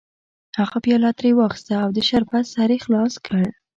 هغه پیاله ترې واخیسته او د شربت سر یې خلاص کړ